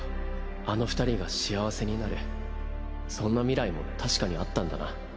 あの二人が幸せになるそんな未来も確かにあったんだな。